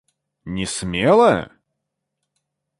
Не смела?